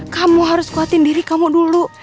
kamu harus kuatin diri kamu dulu